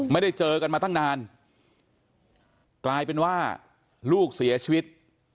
ไม่ได้เจอกันมาตั้งนานกลายเป็นว่าลูกเสียชีวิต